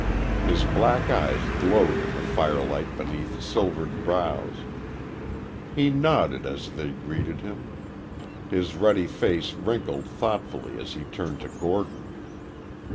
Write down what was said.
His black eyes glowed in the firelight beneath silvered brows. He nodded as they greeted him. His ruddy face wrinkled thoughtfully as he turned to Gordon.